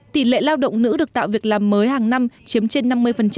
tỷ lệ lao động nữ được tạo việc làm mới hàng năm chiếm trên năm mươi